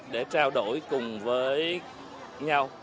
để trao đổi cùng với nhau